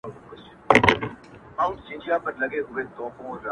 د سبا نری شماله د خدای روی مي دی دروړی!!